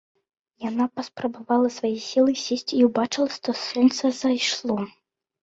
Яна паспрабавала свае сілы сесці і ўбачыла, што сонца зайшло.